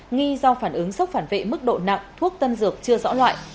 nghi do phản ứng sốc phản vệ mức độ nặng thuốc tân dược chưa rõ loại